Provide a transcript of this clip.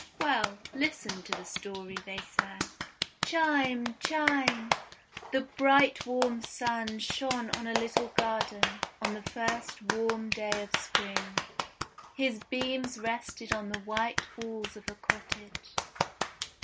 "Well, listen to the story they sang: "Chime! Chime! " The bright warm Sun shone on a little garden, on the first warm day of Spring. His beams rested on the white walls of a cottage.